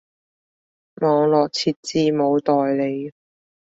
網路設置冇代理